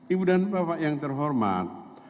ibu dan bapak yang terhormat